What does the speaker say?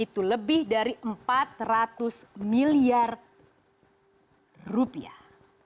itu lebih dari empat ratus miliar rupiah